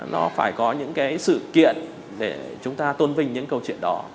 nó phải có những cái sự kiện để chúng ta tôn vinh những câu chuyện đó